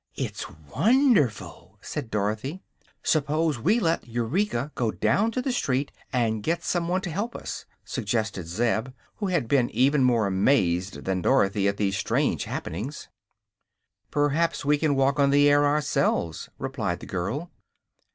"It's wonderful!" said Dorothy. "Suppose we let Eureka go down to the street and get some one to help us," suggested Zeb, who had been even more amazed than Dorothy at these strange happenings. "Perhaps we can walk on the air ourselves," replied the girl.